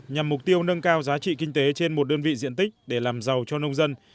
nhằm mục tiêu nâng cao giá trị kinh tế trên một đơn vị diện tích để làm giàu cho nông dân